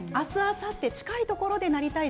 明日、あさって近いところでなりたい